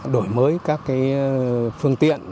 đổi mới các phương tiện